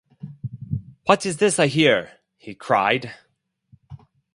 “What is this I hear?” he cried.